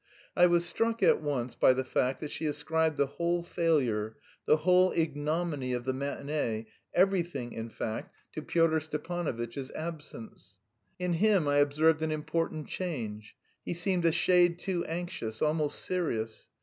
I was struck at once by the fact that she ascribed the whole failure, the whole ignominy of the matinée, everything in fact, to Pyotr Stepanovitch's absence. In him I observed an important change: he seemed a shade too anxious, almost serious.